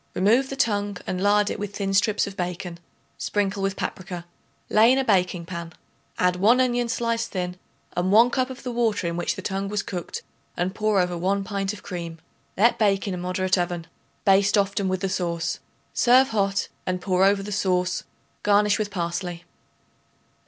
Remove the tongue and lard it with thin strips of bacon; sprinkle with paprica; lay in a baking pan; add 1 onion sliced thin and 1 cup of the water in which the tongue was cooked and pour over 1 pint of cream. Let bake in a moderate oven. Baste often with the sauce. Serve hot, and pour over the sauce; garnish with parsley.